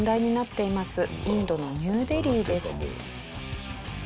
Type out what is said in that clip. インドのニューデリーです。